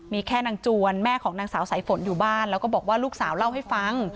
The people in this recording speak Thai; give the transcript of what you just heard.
มีแค่นางจวนแม่ของนางสาวสายฝนอยู่บ้านแล้วก็บอกว่าลูกสาวเล่าให้ฟัง